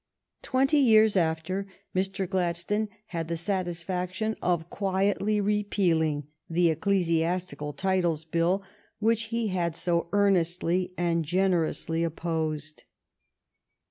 Twenty years after, Mr. Gladstone had the satis faction of quietly repealing the Ecclesiastical Titles Bill, which he had so earnestly and generously opposed.